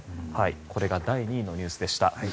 これが第２位のニュースでした。